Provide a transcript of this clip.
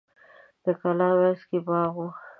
د کلا مینځ کې باغ و.